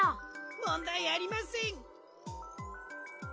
もんだいありません。